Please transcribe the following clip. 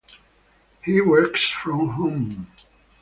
He works from home.